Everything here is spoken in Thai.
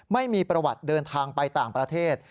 ไม่มีประวัติเดินทางไปต่างประเทศ